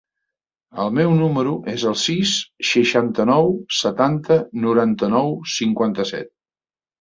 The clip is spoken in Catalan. El meu número es el sis, seixanta-nou, setanta, noranta-nou, cinquanta-set.